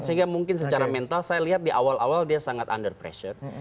sehingga mungkin secara mental saya lihat di awal awal dia sangat under pressure